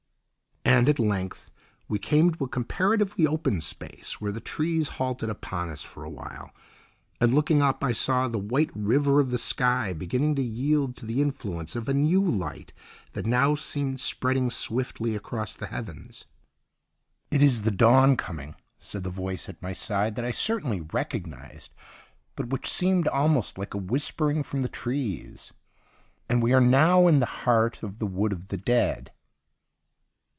And, at length, we came to a comparatively open space where the trees halted upon us for a while, and, looking up, I saw the white river of the sky beginning to yield to the influence of a new light that now seemed spreading swiftly across the heavens. "It is the dawn coming," said the voice at my side that I certainly recognised, but which seemed almost like a whispering from the trees, "and we are now in the heart of the Wood of the Dead."